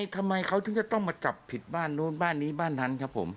ทำไมเขาถึงจะต้องมาจับผิดบ้านนู้นบ้านนี้บ้านนั้นครับผม